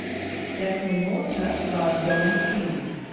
Der Promoter war Don King.